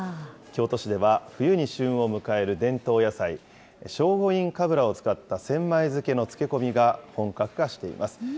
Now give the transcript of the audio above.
京都市では冬に旬を迎える伝統野菜、聖護院かぶらを使った千枚漬の漬け込みが本格化しています。